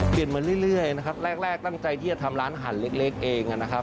มาเรื่อยนะครับแรกตั้งใจที่จะทำร้านหั่นเล็กเองนะครับ